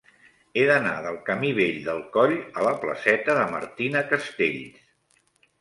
He d'anar del camí Vell del Coll a la placeta de Martina Castells.